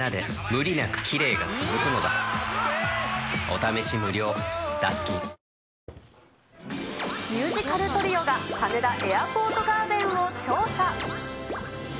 今なら補助金でお得ミュージカルトリオが羽田エアポートガーデンを調査。